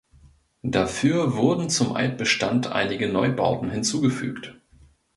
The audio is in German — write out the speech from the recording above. Dafür wurden zum Altbestand einige Neubauten hinzufügt.